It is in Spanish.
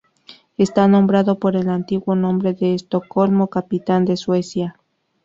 Está nombrado por el antiguo nombre de Estocolmo, capital de Suecia.